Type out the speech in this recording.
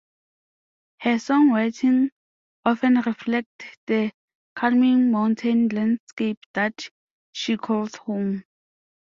Her songwriting often reflects the calming mountain landscape that she calls home.